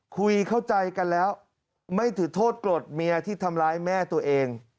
เข้าใจกันแล้วไม่ถือโทษโกรธเมียที่ทำร้ายแม่ตัวเอง